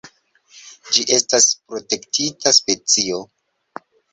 Ĝi estas protektita specio.